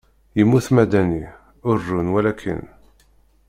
Yemmut Madani, ur run walaken.